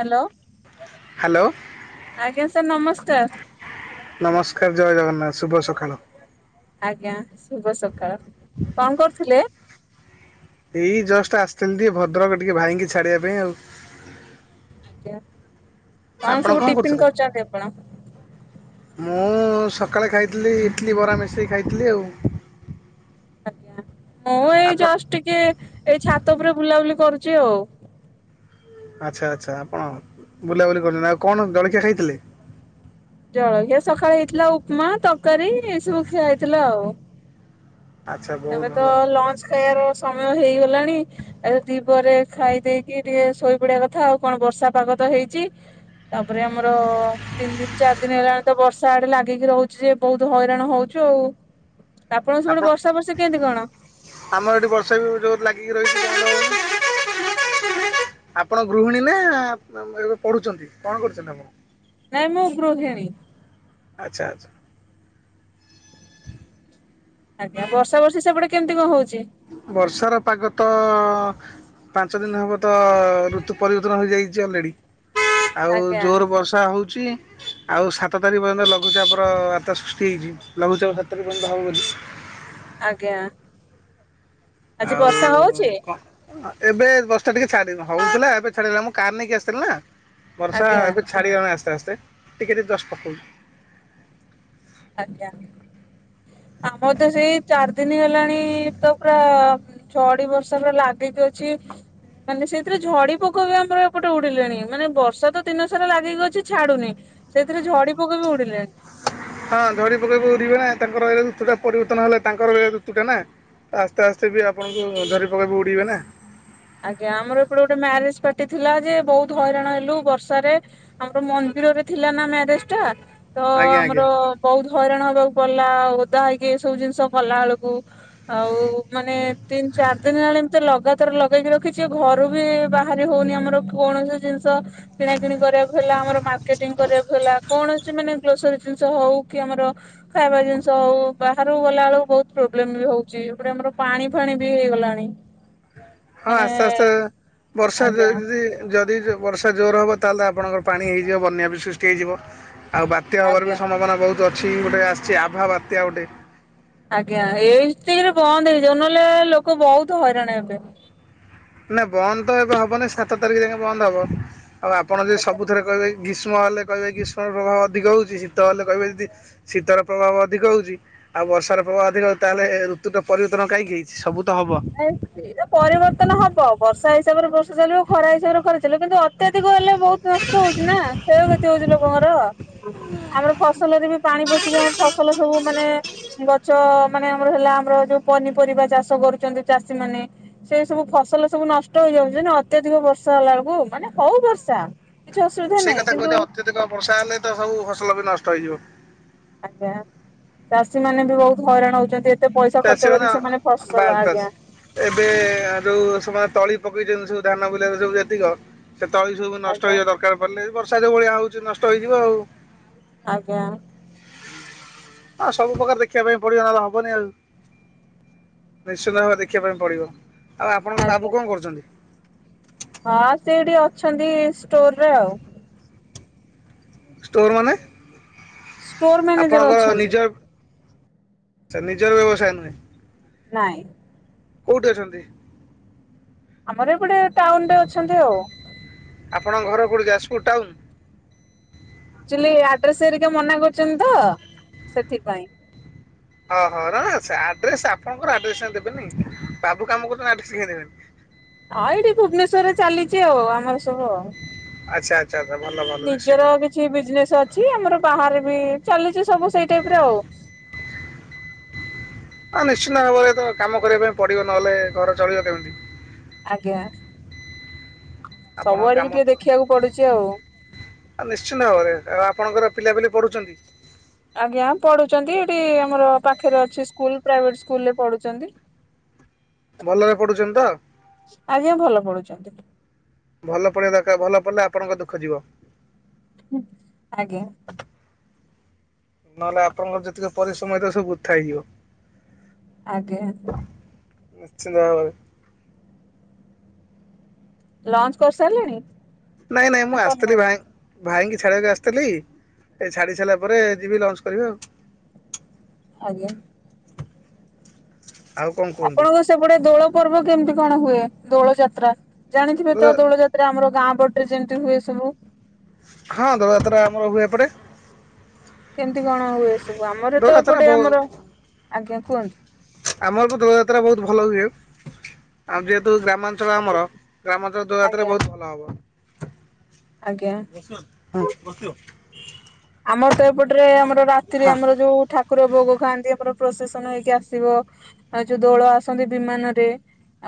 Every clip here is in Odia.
ହ୍ୟାଲୋ। ହ୍ୟାଲୋ। ଆଜ୍ଞା ସାର୍ ନମସ୍କାର। ନମସ୍କାର ଜୟ ଜଗନ୍ନାଥ ଶୁଭ ସକାଳ। ଆଜ୍ଞା ଶୁଭ ସକାଳ କଣ କରୁଥିଲେ? ଏଇ ଜଷ୍ଟ ଆସିଛନ୍ତି ଟିକେ ଭଦ୍ରକ ଟିକେ ଭାଇକି ଛାଡିବା ପାଇଁ ଆଉ। ଆଜ୍ଞା ଆପଣ କଣସବୁ କଣ ଟିଫିନ କରୁଥିଲେ? କରିଚନ୍ତି ଆପଣ? ମୁଁ ସକାଳେ ଖାଇଥିଲି ଇଡ଼ଲି ବରା ମିଶାଇ ଖାଇଥିଲି ଆଉ। ଆଜ୍ଞା ମୁଁ ଏଇ ଆପଣ ଜଷ୍ଟ ଟିକେ ଏଇ ଛାତ ଉପରେ ବୁଲାବୁଲି କରୁଛି ଆଉ। ଆଛା ଆଛା ଆପଣ ବୁଲାବୁଲି କରୁଛନ୍ତି ଆଉ କଣ ଜଳଖିଆ ଖାଇଥିଲେ? ଜଳଖିଆ ସକାଳେ ହେଇଥିଲା ଉପମା ତରକାରୀ ଏ ସବୁ ଖିଆ ହେଇଥିଲା ଆଉ। ଆଚ୍ଛା ବହୁତ ଏବେ ତ ଭଲ ଲଞ୍ଚ ଖାଇବାର ସମୟ ହେଇଗଲାଣି। ଏବେ ଦିପହରେ ଖାଇ ଦେଇକି ଟିକେ ଶୋଇପଡିବା କଥା ଆଉ କଣ ବର୍ଷା ପାଗ ତ ହେଇଛି। ତାପରେ ଆମର ତିନି ଦିନ ଚାରି ଦିନ ହେଲାଣି ତ ବର୍ଷା ଆଡେ ଲାଗିକି ରହୁଛି ଯେ ବହୁତ ହଇରାଣ ହଉଛୁ ଆଉ। ଆପଣ ସେପଟେ ବର୍ଷା ଫର୍ଷା କେମିତି କଣ? ଆମର ଏଠି ବର୍ଷା ବି ଯୋରେ ଲାଗିକି ରହିଛି ବନ୍ଦ ହଉନି। ଆପଣ ଗୃହିଣୀ ନା ଏବେ ପଢୁଛନ୍ତି କଣ କରୁଛନ୍ତି ଆପଣ? ନାଇଁ ମୁଁ ଗୃହିଣୀ। ଆଛା ଆଛା। ଆଜ୍ଞା ବର୍ଷା ଫର୍ଶା ସେପଟେ କେମିତି କଣ ହଉଛି? ବର୍ଷାର ପାଗ ତ ପାଞ୍ଚ ଦିନ ହବ ତ ଋତୁ ପରିବର୍ତ୍ତନ ହେଇଯାଇଛି ଅଲରେଡି ଆଉ ଆଜ୍ଞା ଜୋର ବର୍ଷା ହଉଛି। ଛି ଆଉ ସାତ ତାରିଖ ପର୍ଯ୍ୟନ୍ତ ଲଘୁଚାପର ବାର୍ତ୍ତା ସୃଷ୍ଟି ହେଇଛି। ଲଘୁଚାପ ସାତ ତାରିଖ ପର୍ଯ୍ୟନ୍ତ [unintelligible] ଆଜ୍ଞା। ଆଜି ଆଉ ବର୍ଷା ହଉଛି କଣ। ଏବେ ବର୍ଷା ଟିକେ ଛାଡି ହଉଥିଲା ଏବେ ଛାଡିିଗଲା ମୁଁ କାର ନେଇକି ଆସିଥିଲି ନା ବର୍ଷା ଆଜ୍ଞା ଏବେ। ଛାଡିଗଲା ଆସ୍ତେ ଆସ୍ତେ ଟିକେ ଟିକେ ଜଷ୍ଟ ପକଉଛି ଆଜ୍ଞା ଆମର ତ ସେଇ ଚାରି ଦିନ ହେଲାଣି ତ ପୁରା‌। ଝଡି ବର୍ଷା ପୁରା ଲାଗିକି ଅଛି। ମାନେ ସେଇଥିରେ ଝଡି ପୋକ ବି ଆମର ଏପଟେ ଉଡିଲେଣି ମାନେ ବର୍ଷା ତ ଦିନସାରା ଲାଗିକି ଅଛି ଛାଡୁନି। ସେଇଥିରେ ଝଡି ପୋକ ବି ଉଡିଲେଣି‌। ହଁ ଝଡି ପୋକ ବି ଉଡ଼ି ବେନା ତାଙ୍କର ଏଇ ରୁତୁଟା ପରିବର୍ତ୍ତନ ହେଲା ତାଙ୍କର ରୁତୁଟା ନା।। ଆସ୍ତେ ଆସ୍ତେ ବି ଆପଣଙ୍କୁ ଝୋଡ଼ି ପୋକବି ଉଡିବେନା। ଆଜ୍ଞା ଆମର ଏପଟେ ଗୋଟେ ମ୍ୟାରେଜ ପାର୍ଟି ଥିଲା ଯେ ବହୁତ ହଇରାଣ ହେଲୁ ବର୍ଷାରେ। ଆମର ମନ୍ଦିରରେ ଥିଲା ନା ମ୍ୟାରେଜ ଟା ତ ଆଜ୍ଞା ଆଜ୍ଞା ଆମର। ବହୁତ ହଇରାଣ ହେବାକୁ ପଡିଲା ଓଦା ହେଇକି ସବୁ ଜିନିଷ କଲା ବେଳକୁ। ଆଉ ମାନେ ତିନି ଚାରି ଦିନ ହେଲାଣି ଏମିତି ଲଗାତାର ଲଗା ଦେଇକି ଟିକେ ଘରୁ ବି ବାହାରି ହଉନି ଆମର କୌଣସି ଜିନିଷ କିଣା କିିଣି କରିବାକୁ ହେଲା ଆମର ମାର୍କେଟିଂ କରିବାକୁ ହେଲା କୌଣସି ମାନେ ଗ୍ରୋସରୀ ଜିନିଷ ହଉ କି ଆମର ଖାଇବା ଜିନିଷ ହଉ ବାହାରକୁ ଗଲା ବେଳକୁ ବହୁତ ପ୍ରୋବ୍ଲେମ ବି ହଉଛି ଗଟେ ଆମର ପାଣି ଫାଣି ବି ହେଇଗଲାଣି। ହଁ ଆସ୍ତେ ଆସ୍ତେ ମାନେ ବର୍ଷା ଆଜ୍ଞା ଯଦି ଯଦି। ବର୍ଷା ଜୋର ହେବ ତାହେଲେ ଆପଣଙ୍କର ପାଣି ହେଇଯିବ ବନ୍ୟା ବି ସୃଷ୍ଟି ହେଇଯିବ ଆଉ ବାତ୍ୟା ହେବାର ଆଜ୍ଞା ବି ସମ୍ଭାବନା ବହୁତ‌। ଅଛି ଗୋଟେ ଆସିଛି ଆଭା ବାତ୍ୟା ଗୋଟେ। ଆଜ୍ଞା ଏଇତିକିରେ ବନ୍ଦ ହେଇଯାଉ ନହେଲେ ଲୋକ ବହୁତ ହଇରାଣ ହେବେ। ନାଇ ବନ୍ଦ ତ ଏବେ ହବନି ସାତ ତାରିଖ ଯାକେ ବନ୍ଦ ହବ ଆଉ ଆପଣ ଯଦି ଆଜ୍ଞା ସବୁଥିରେ କହିବେ‌। ଗ୍ରୀଷ୍ମ ହେଲେ କହିବେ ଗ୍ରୀଷ୍ମର ପ୍ରଭାବ ଅଧିକ ହଉଛି ଶୀତ ହେଲେ କହିବେ ଯଦି ଆଜ୍ଞା। ଶୀତର। ପ୍ରଭାବ ଅଧିକ ହଉଛି ଆଉ ବର୍ଷାର ପ୍ରଭାବ ଅଧିକ ହଉଛି ତାହେଲେ ଏ ଋତୁରେ ପରିବର୍ତ୍ତନ କାହିଁକି ହେଇଛି ସବୁ ତ ହବ। ଏଇଟା ପରିବର୍ତ୍ତନ ହବ ବର୍ଷା ହିସାବରେ ବର୍ଷା ଚାଲିବ ଖରା ହିସାବରେ ଖରା। କିନ୍ତୁ ଅତ୍ୟଧିକ ହେଲେ ବହୁତ ନଷ୍ଟ ହଉଛି ନା କ୍ଷୟକ୍ଷତି ହଉଛି ଲୋକଙ୍କର। ଆମର ଫସଲରେ ବି ପାଣି ପଶିକି ଆମ ଫସଲ ସବୁ ମାନେ ଗଛ ମାନେ ଆମର ହେଲା ଆମର ଯୋଉ ପନିପରିବା ଚାଷ କରୁଛନ୍ତି ଚାଷୀ ମାନେ। ସେଇ ସବୁ ଫସଲ ସବୁ ନଷ୍ଟ ହେଇଯାଉଛି ନା ଅତ୍ୟଧିକ ବର୍ଷା ହେଲା ବେଳକୁ ମାନେ ହଉ ବର୍ଷା। କିଛି ଅସୁବିଧା ସେଇ ନାହିଁ କଥା କିନ୍ତୁ କୁହଛ ଅତ୍ୟଧିକ ବର୍ଷା ହେଲେ ତ ସବୁ ଫସଲ ବି ନଷ୍ଟ ହେଇଯିବ। ଆଜ୍ଞା ଚାଷୀ ମାନେ ବି ବହୁତ ହଇରାଣ ହଉଛନ୍ତି। କେତେ ପଇସା ଖର୍ଚ୍ଚ ଚାଷୀମାନେ କରିକି ସେମାନେ ବାସ୍ ଫସଲ ବାସ୍ ଆଜ୍ଞା। ଏବେ ଯୋଉ ସେମାନେ ତଳି ପକେଇଛନ୍ତି ସବୁ ଧାନ ବିଲ ସବୁ ଯେତିକ ସେତେବେଳେ ସବୁ ନଷ୍ଟ ଆଜ୍ଞା ହେଇଯିବା ଦରକାର ପଡେ ବର୍ଷା ଯୋଉ ଭଳିଆ ହଉଛି ନଷ୍ଟ ହେଇଯିବ ଆଉ। ଆଜ୍ଞା। ଆଁ ସବୁ ପ୍ରକାର ଦେଖିବା ପାଇଁ ପଡିବ ନହଲେବନି ଆଉ। ନିଶ୍ଚିନ୍ତ ଭାବେ ଦେଖିବା ପାଇଁ ପଡିବ ଆଉ ଆପଣଙ୍କ ଆଜ୍ଞା ବାବୁ କଣ କରୁଛନ୍ତି? ହଁ ସେଏଠି ଅଛନ୍ତି ଷ୍ଟୋର ରେ ଆଉ। ଷ୍ଟୋର ମାନେ ଷ୍ଟୋର ମ୍ୟାନେଜର ଆପଣଙ୍କ ଅଛନ୍ତି ନିଜ [inaudible] ନିଜର ବ୍ୟବସାୟ ନୁହେଁ? ନାଇଁ। କୋଉଠି ଅଛନ୍ତି? ଆମର ଗୋଟେ ଟାଉନ ରେ ଅଛନ୍ତି ଆଉ। ଆପଣ ଘର କୋଉଠି ଯାଜପୁର ଟାଉନ? ଆକଚୁଳି ଆଡ୍ରେସ ଗୁଡିକ ମନା କରୁଛନ୍ତି ତ ସେଥିପାଇଁ। ହଁ ହୋ ନା ସେ ଆଡ୍ରେସ ଆପଣଙ୍କର ଆଡ୍ରେସ ଟ ଦେବେନି ବାବୁ କାମ କରୁ ଆଡ୍ରେସ କାଇଁ ଦେବେନି। ହଁ ଏଇଠି ଭୁବନେଶ୍ଵରରେ ଚାଲିଛି ଆଉ ଆମର ସବୁ ଆଉ। ଆଚ୍ଛା। ଆଛା ଆଛା ଭଲ। ଭଲ ନିଶ୍ଚିନ୍ତ ନିଜର କିଛି ବିଜନେସ ଅଛି ଆମର ବାହାରେ ବି ଚାଲିଛି ସବୁ ସେଇ ଟାଇପରେ ଆଉ। ଆ ନିଶ୍ଚିନ୍ତ ଭାବରେ ତ କାମ କରିବା ପାଇଁ ପଡିବ ନହେଲେ ଘର ଚଳିବ କେମିତି? ଆଜ୍ଞା ଆପଣ ସବୁଆଡିକି କାମ ଟିକେ ଦେଖିବାକୁ ପଡୁଚି ଆଉ। ଆ ନିଶ୍ଚିନ୍ତ ଭାବରେ କାରଣ ଆପଣଙ୍କର ପିଲାପିଲି ପଢୁଛନ୍ତି? ଆଜ୍ଞା ପଢୁଛନ୍ତି ଏଠି ଆମର ପାଖରେ ଅଛି ସ୍କୁଲ ପ୍ରାଇଭେଟ ସ୍କୁଲରେ ପଢୁଚନ୍ତି। ଭଲରେ ପଢୁଛନ୍ତି ତ? ଆଜ୍ଞା ଭଲ ପଢୁଛନ୍ତି। ଭଲ ପଢିବା ଦରକାର ଭଲ ପଢିଲେ ଆପଣଙ୍କ ଦୁଃଖ ଯିବ? ହୁଁ ଆଜ୍ଞା। ନହେଲେ ଆପଣଙ୍କର ଯେତିକ ପରିଶ୍ରମ ହେଇଥିବ ସବୁ ବୃଥା ହେଇଯିବ। ଆଜ୍ଞା ଆଜ୍ଞା। ନିଶ୍ଚିନ୍ତ ଭାବରେ। ଲଞ୍ଚ କରିସାରିଲେଣି? ନାଇଁ ନାଇଁ ନା ମୁଁ ଆସିଥିଲି କରିନାହାନ୍ତି ଭାଇ ଭାଇଙ୍କି ଛାଡ଼ିବାକୁ ଆସିଥିଲି ଏ ଛାଡ଼ି ସାରିଲା ପରେ ଯିବି ଲଞ୍ଚ କରିବି ଆଉ। ଆଜ୍ଞା। ଆଉ କଁ କୁହନ୍ତୁ? ସେପଡେ ଦୋଳ ପର୍ବ କେମିତି କଣ ହୁଏ? ଦୋଳ ଯାତ୍ରା ଜାଣିଥିବେ ତ ଦୋଳ ଯାତ୍ ରେ ଆମର ଗାଁ ପଟରେ ଯେମିତି ହୁଏ ସବୁ। ହଁ ଦୋଳଯାତ୍ରା ଆମର ହୁଏ ଏପଡେ। କେମିତି କଣ ହୁଏ ଏ ସବୁ ଆମର ତ ଦୋଳଯାତ୍ରା ଏପଟେ ବହୁ ଆମର ଆଜ୍ଞା କୁହନ୍ତୁ। ଆମର ବି ଦୋଳ ଯାତ୍ରା ବହୁତ ଭଲ ହୁଏ ଆ ଯେହେତୁ ଗ୍ରାମାଞ୍ଚଳ ଆମର ଗ୍ରାମାଞ୍ଚଳ ଦୋଳଯାତ୍ରା ଆଜ୍ଞା ବହୁତ ଭଲ ହବ। ଆଜ୍ଞା। [unintelligible] ଆମର ତ ଏପଟରେ ଆମର ରାତିରେ ହଁ। ଆମର ଯୋଉ ଠା କୁର ଭୋଗ ଖାଆନ୍ତି ଆମର ପ୍ରୋଶେସନ ହେଇକି ଆସିବ। ଆଉ ଯୋଉ ଦୋଳ ଆସନ୍ତି ବିମାନରେ।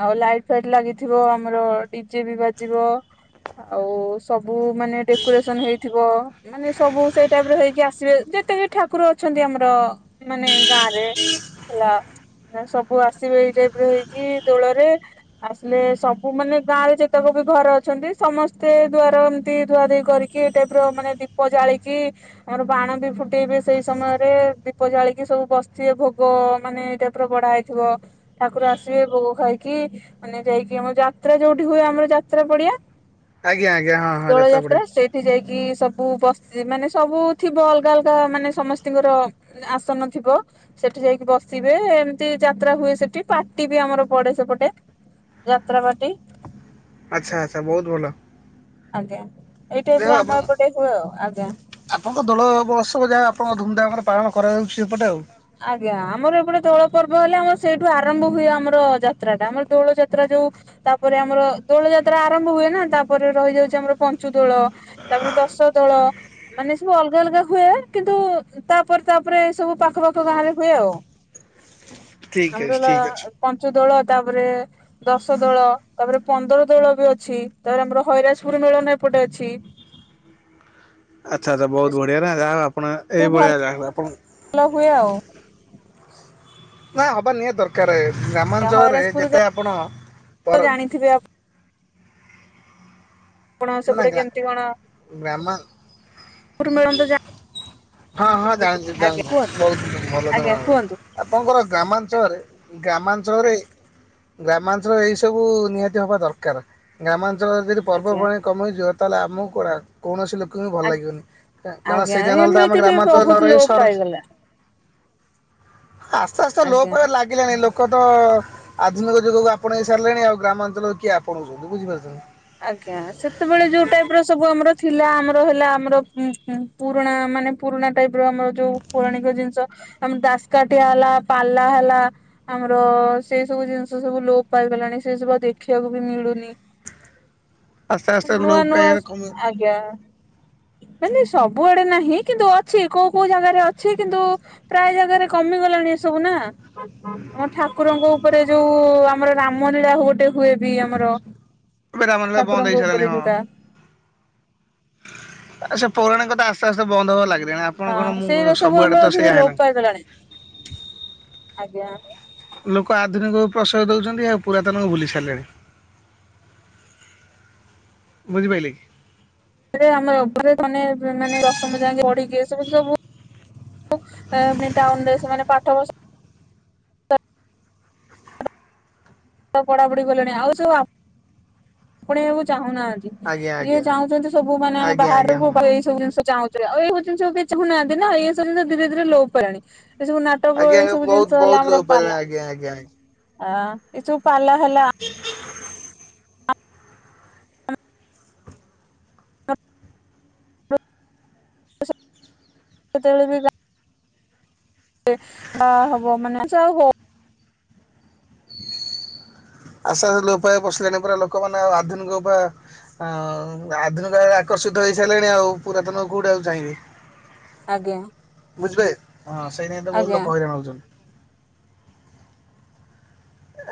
ଆଉ ଲାଇଟ ଫାଇଟ ଲାଗିଥିବ ଆମର ଡିଜେ ବି ବାଜିବ। ଆଉ ସବୁ ମାନେ ଡେକୋରେସନ ହେଇଥିବ ମାନେ ସବୁ ସେଇ ଟାଇପର ହେଇକି ଆସିବେ ଯେତେବି ଠାକୁର ଅଛନ୍ତି ଆମର। ମାନେ ଗାଁରେ ହେଲା। ସ ସବୁ ଆସିବେ ଏଇ ଟାଇପର ହେଇକି ଦୋଳରେ। ଆସିଲେ ସବୁ ମାନେ ଗାଁରେ ଯେତେକ ବି ଘର ଅଛନ୍ତି ସମସ୍ତେ ଦୁଆର ଏମତି ଧୁଆ ଧୁଇ କରି କି ଏ ଟାଇପର ମାନେ ଦୀପ ଜାଳିକି ଆମର ବାଣ ବି ଫୁଟେଇବେ ସେଇ ସମୟରେ ଦୀପ ଜାଳିକି ସବୁ ବସିଥିବେ ଭୋଗ ମାନେ ଏଇ ଟାଇପର ବଢା ହେଇ ଥିବ ଠାକୁର ଆସିବେ ଭୋଗ ଖାଇକି ମାନେ ଯାଇକି ଆମର ଯାତ୍ରା ଯୋଉଠି ହୁଏ ଆମର ଯାତ୍ରା ପଡିଆ ଆଜ୍ଞା ଆଜ୍ଞା ହଁ ହଁ ଦୋଳ ପଡିଆ ଯାତ୍ରା ସେଇଠି ଯାଇକି ସବୁ ବସ୍‌ ସେମାନେ ସବୁ ଥିବ ଅଲଗା ଅଲଗା ମାନେ ସମସ୍ତିଙ୍କର ଆସନ ଥିବ। ସେଠି ଯାଇକି ବସିବେ। ଏମତି ଯାତ୍ରା ହୁଏ ସେଠି ପାର୍ଟି ବି ଆମର ପଡେ ସେପଟେ। ଯାତ୍ରାପାର୍ଟି। ଆଚ୍ଛା ଆଚ୍ଛା ବହୁତ ଭଲ। ଆଜ୍ଞା। ଏଇ ଯାହା ଟାଇପର ହଉ ଆପଣ ଆମ ଏପଟେ ହୁଏ ଆଉ। ଆଜ୍ଞା। ଆପଣଙ୍କ ଦୋଳ ମହୋତ୍ସବ ଯାହା ଆପଣ ଧୁମଧାମରେ ପାଳନ କରାଯାଉଛି ସେପଟେ ଆଉ। ଆଜ୍ଞା। ଆମର ଏପଟେ ଦୋଳ ପର୍ବ ହେଲେ ଆମର ସେଇଠୁ ଆରମ୍ଭ ହୁଏ ଆମର ଯାତ୍ରାଟା ଆମର ଦୋଳ ଯାତ୍ରା ଯୋଉ ତାପରେ ଆମର ଦୋଳ ଯାତ୍ରା ଆରମ୍ଭ ହୁଏ ନା। ତାପରେ ରହିଯାଉଚି ଆମର ପଞ୍ଚୁ ଦୋଳ। ତାପରେ ଦଶ ଦୋଳ। ମାନେ ସବୁ ଅଲଗା ଅଲଗା ହୁଏ। କିନ୍ତୁ ତାପରେ ତାପରେ ସବୁ ପାଖପା ଗାଁ ରେ ହୁଏ ଆଉ। ଠିକ ଆମର ଅଛି ହେଲା ଠିକ ଅଛି ପଞ୍ଚୁଦୋଳ ତାପରେ ଦଶ ଦୋଳ ତାପରେ ପନ୍ଦର ଦୋଳ ବି ଅଛି। ତାପରେ ଆମର ହଇରାଜପୁର ମେଳନ ଏପଟେ ଅଛି। ଆଚ୍ଛା ଆଚ୍ଛା। ବହୁତ ବଢିଆ ନା ଯାହା ହଉ ଆପଣ ସବୁ ଭଲ ଏଇଭଳିଆ ଗାଁ କୁ ଆପଣ ଭଲ ହୁଏ ଆଉ। ନା ହବା ନିହାତି ଦରକାର। ଗ୍ରାମାଞ୍ଚଳରେ ଯେତେ ଆପଣ ପର ତ ଜାଣିଥିବେ ଆପ ଆପଣ ନା ସେପଟେ ଗ୍ରା କେମିତି କଣ ଗ୍ରାମା ମେଳନ ତ ହଁ ହଁ ଜାଣିଚି ଆଜ୍ଞା କୁହନ୍ତୁ। ଜାଣିଚି ବହୁତ ଭଲ ଆଜ୍ଞା କୁହନ୍ତୁ ଆପଣଙ୍କର ଗ୍ରାମାଞ୍ଚଳରେ ଗ୍ରାମାଞ୍ଚଳରେ ଗ୍ରାମାଞ୍ଚଳ ଏଇ ସବୁ ନିହାତି ହବା ଦରକାର। ଗ୍ରାମାଞ୍ଚଳ ଯେହେ ଆଜ୍ଞା ପର୍ବପର୍ବାଣି କମିଯିବ ତାହାଲେ ଆମକୁ କଣ କୌଣସି ଲୋକଙ୍କୁ ବି ଭଲ ଆ ଲାଗିବନି କାରଣ ଆଜ୍ଞା ସେଇଦା ନହେଲେ ତ ଆମ ଏମିତି ବି ଗ୍ରାମାଞ୍ଚଳରେ ନ ବହୁତ ରହି ଲୋପ ସହର। ପାଇଗଲା। [inaudible] ଆସ୍ତେ ଆସ୍ତେ ଲୋ ଆଜ୍ଞା ପୟ ଲାଗିଲାଣି ଲୋକ ତ ଆଧୁନିକ ଯୁଗକୁ ଆପଣ ହେଇ ସାରିଲେଣି। ଆଉ ଗ୍ରାମାଞ୍ଚଳରେ କିଏ ଆପଣଉଛନ୍ତି, ବୁଝିପାରୁଛନ୍ତି? ଆଜ୍ଞା ସେତେବେଳେ ଯୋଉ ଟାଇପର ସବୁ ଆମର ଥିଲା ଆମର ହେଲା ଆମର ଉଁ ଉଁ ପୁରୁଣା ମାନେ ପୁରୁଣା ଟାଇପର ଆମର ଯୋଉ ପୌରାଣିକ ଜିନିଷ ଆମ ଦାସକାଠିଆ ହେଲା ପାଲା ହେଲା ଆମର ସେଇ ସବୁ ଜିନିଷ ସବୁ ଲୋପ ପାଇଗଲାଣି। ସେଇ ସବୁ ଆଉ ଦେଖିବାକୁ ବି ମିଳୁନି। ଆସ୍ତେ ଆସ୍ତେ ନୂଆ ଲୋପ ନୂଆ ପାଇବାରେ କମି ଆଜ୍ଞା। ମାନେ ସବୁଆଡେ ନାହିଁ। କିନ୍ତୁ ଅଛି କୋଉ କୋଉ ଜାଗାରେ ଅଛି, କିନ୍ତୁ ପ୍ରାୟ ଜାଗାରେ କମିଗଲାଣି ଏସବୁ ନା। ଆମ ଠାକୁରଙ୍କ ଉପରେ ଯୋଉ ଆମର ରାମ ଲୀଳା ଗୋଟେ ହୁଏ ବି ଆମର। ରାମ ଲୀଳା ବନ୍ଦ ଠାକୁରଙ୍କ ଉପରେ ହେଇସାଇଲାଣି ହଁ। ଯୋଉଟା ସେ ପୌରାଣିକ କଥା ଆସ୍ତେ ଆସ୍ତେ ବନ୍ଦ ହବାକୁ ଲାଗିଲାଣି ଆ ହଁ ସେଇରା ସବୁ ଆମର ଧୀରେ ଲୋପ ପାଇଗଲାଣି। ଆଜ୍ଞା। ଲୋକ ଆଧୁନିକ ପ୍ରସୟ ଦଉଛନ୍ତି ଆଉ ପୁରାତନ କୁ ଭୁଲି ସାରିଲେଣି। ବୁଝି ପାଇଲେ କି? ମାନେଆମର ମାନେ ଧନିଏମାନେଦସ ଯାଇକି ପଢିକି ଏ ସବୁ ସବୁ। ଏ ମେନ୍ ଟାଉନ୍ ରେ ସେମାନେ ପାଠ ପଢୁସ ଠ ପଢାପଢି କଲେଣି, ଆଉ ସବୁ ଆପ୍ ପଣେଇବାକୁ ଚାହୁଁନାହାଁନ୍ତି। ଆଜ୍ଞା ଯିଏ ଆଜ୍ଞା ଚାହୁଁଛନ୍ତି ସବୁ ମାନେ ଆମେ ଆଜ୍ଞା ବାହାର ଆଜ୍ଞା ହଁ ରହିବୁ, ଏଇ ସବୁ ଜିନିଷ ଚାହୁଁ ଏଇ ହଉ ଜିନିଷ କେହି ଚାହୁଁ ନାହାଁନ୍ତି ନା! ଇଏ ସବୁ ଜିନିଷ ଧୀରେ ଧୀରେ ଲୋପ ପାଇଲାଣି। ଏଇ ସବୁ ନାଟ୍ ଟଵ ଆଜ୍ଞା ଏଇ ଆଜ୍ଞା ସବୁ ବହୁତ ଜିନିଷ ହେଲା ବହୁତ ଆମର ଲୋପ ପାଇଲାଣି ପାଲା ଆଜ୍ଞା ଆଜ୍ଞା ଆଜ୍ଞା। ଆ ଏଇସବୁ ପାଲା ହେଲା ଆ [inaudible] ସେ-ସେତେବେଳେ ବି ଯା ବା ହବ ମାନେ ସେ ଆଉ ହଉ ଆଶା ଲୋପ୍ ପାଇଆକୁ ବସିଲାଣି ପରା, ଲୋକମାନେ ଆଉ ଆଧୁନିକ ଉପାୟ ଆଉ ଆଧୁନିକ ବେଳେ ଆକର୍ଷିତ ହେଇସାରିଲେଣି ଆଉ ପୁରାତନ କୋଉଠି ଆଉ ଚାହିଁବେ। ଆଜ୍ଞା ବୁଝବେ ହଁ ସେଇ ନାଗି ତ ବହୁତ ଆଜ୍ଞା ଲୋକ ହଇରାଣ ହଉଚନ୍ତି।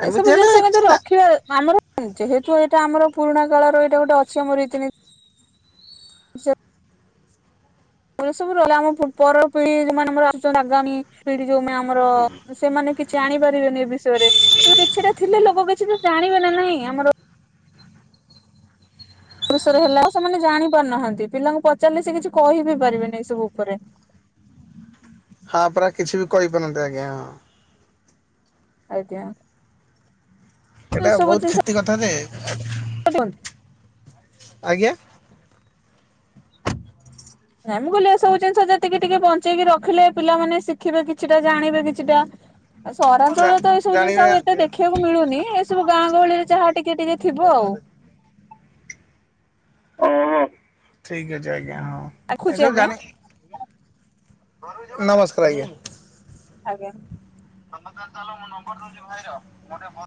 ଏମିତି ଏସବୁ ହେଲେ ଜିନିଷ କିଛି କିନ୍ତୁ ନା ରଖିବେ, ଆମର ଯେହେତୁ ଏଇଟା ଆମର ପୁରୁଣା କାଳର ଏଇଟା ଗୋଟେ ଅଛି, ଆମ ରୀତିନୀତି ବିଷୟ ଏରା ସସବୁ ରହିଲା ଆମ ଉପର ପିଢିମାନେ ଆମର ଆସଚନ୍ତି ଆଗାମୀ ପିଢି ଯୋଉମାନେ ଆମର ଅ ସେମାନେ କିଛି ଜାଣିପାରିବେନି ଏ ବିଷୟରେ କିନ୍ତୁ କିଛିଟା ଥିଲେ ଲୋକ କିଛିଟା ଜାଣିବେ ନା ନାଇଁ ଆମର ବିଷୟରେ ହେଲା ସେମାନେ ଜାଣି ପାରୁ ନାହାଁନ୍ତି। ପିଲାଙ୍କୁ ପଚାରିଲେ ସେ କିଛି କହିିବି ପାରିବେନି ଏସବୁ ଉପରେ? ହଁ, ପରା କିଛି ବି କହିପାରନ୍ତି ଆଜ୍ଞା, ହଁ। ଆଜ୍ଞା। ଏ ହେଟା ସବୁ ବହୁତ ଜିନିଷ କ୍ଷତି କଥା ଯେ। [inaudible] ଆଜ୍ଞା! ନାଇଁ ମୁଁ କହିଲି ଏସବୁ ଜିନିଷ ଯେତିକି ଟିକେ ବଞ୍ଚେଇକି ରଖିଲେ ପିଲାମାନେ ଶିଖିବେ କିଛିଟା ଜାଣିବେ କିଛିଟା। [inaudible] ଆ ଜା ସହରାଞ୍ଚଳରେ ତ ଏଇ ସବୁ ଜିନିଷ ଜାଣିବେ ଆଉ ଏତେ ଦେଖିବାକୁ ମିଳୁନି ଏସବୁ ଗାଁ ଗହଳିରେ ଯାହା ଟିକେ ଟିକେ ଥିବ ଆଉ। [unintelligible] ଠିକ୍ ଅଛି ଆଜ୍ଞା। ହଁ ରଖୁଛି ଏସବୁ ଆଜ୍ଞା ଜାଣି ନମସ୍କାର ଆଜ୍ଞା। ଆଜ୍ଞା। ତମେ ତାହେଲେ ଚାଲ ମୁଁ ନମ୍ବର ଦଉଛି ଭାଇର। ମୋର ଟିକେ